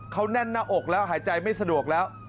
เขาแน่นหน้าอกแล้วหายใจไม่สะดวกแล้ว